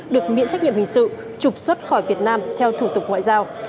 được miễn trách nhiệm hình sự trục xuất khỏi việt nam theo thủ tục ngoại giao